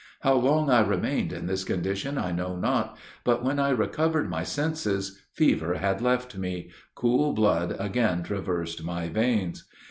How long I remained in this condition I know not; but when I recovered my senses, fever had left me cool blood again traversed my veins.